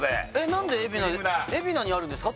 何で海老名海老名にあるんですか？